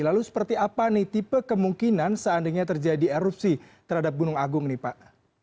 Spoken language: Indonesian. lalu seperti apa nih tipe kemungkinan seandainya terjadi erupsi terhadap gunung agung nih pak